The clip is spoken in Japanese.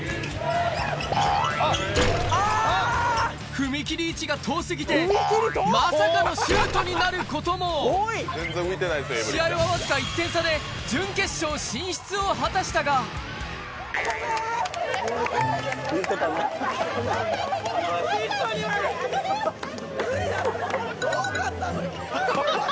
踏み切り位置が遠過ぎてまさかのシュートになることも試合はわずか１点差でを果たしたがハハハハ！